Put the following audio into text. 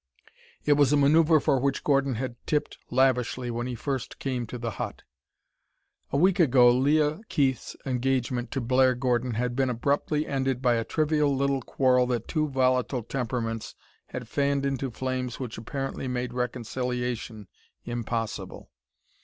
It was a maneuver for which Gordon had tipped lavishly when he first came to the Hut. A week ago Leah Keith's engagement to Blair Gordon had been abruptly ended by a trivial little quarrel that two volatile temperaments had fanned into flames which apparently made reconciliation impossible.